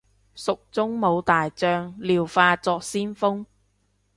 蜀中無大將，廖化作先鋒